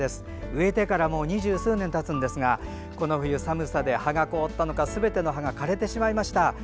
植えてから二十数年たつんですがこの冬、寒さで葉が凍ったのかすべての葉が枯れてしまいました。